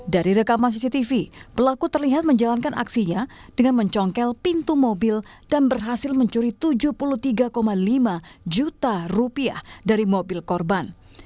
dari rekaman cctv pelaku terlihat menjalankan aksinya dengan mencongkel pintu mobil dan berhasil mencuri tujuh puluh tiga lima juta rupiah dari mobil korban